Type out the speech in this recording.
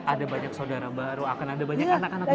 ada banyak saudara baru akan ada banyak anak anak